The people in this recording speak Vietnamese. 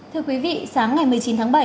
thưa quý vị sáng ngày một mươi chín tháng bảy